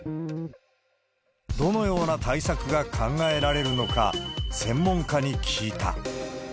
どのような対策が考えられるのか、専門家に聞いた。